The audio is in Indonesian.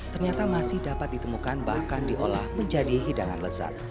ternyata masih dapat ditemukan bahkan diolah menjadi hidangan lezat